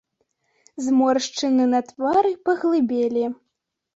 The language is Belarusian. Зморшчыны на твары паглыбелі.